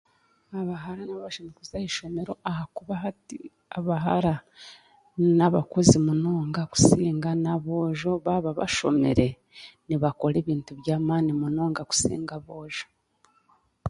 Abahara nabo bashemereire kuza aha ishomero ahakuba hati abahara n'abakozi munonga kusinga n'aboojo baaba bashomire nibakora ebintu by'amaani munonga kusinga aboojo.